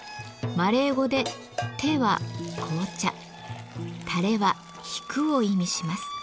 マレー語で「テ」は「紅茶」「タレ」は「引く」を意味します。